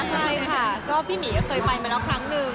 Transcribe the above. ใช่ค่ะก็พี่หมีก็เคยไปมาแล้วครั้งหนึ่ง